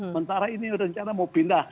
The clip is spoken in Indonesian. sementara ini rencana mau pindah